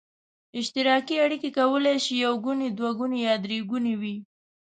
اشتراکي اړیکې کولای شي یو ګوني، دوه ګوني یا درې ګوني وي.